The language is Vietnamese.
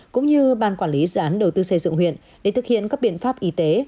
cũng như ban quản lý gián đầu tư xây dựng huyện để thực hiện các biện pháp y tế